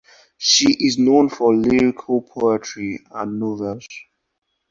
She is known for lyrical poetry and novels.